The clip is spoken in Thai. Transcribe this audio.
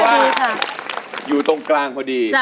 ก็คือว่าอยู่ตรงกลางพอดี